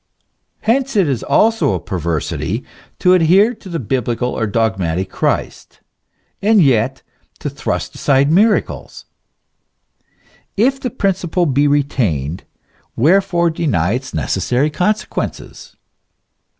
Hence it is also a perversity to adhere to the biblical or dogmatic Christ, and yet to thrust aside miracles. If the prin ciple be retained, wherefore deny its necessary consequences?